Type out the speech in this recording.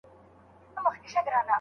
هغوی انصار صحابه وو.